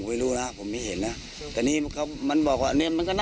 ผมไม่รู้นะผมไม่เห็นนะแต่นี่นี่เค้ามันบอกว่านี้มันก็นั่งดูนะ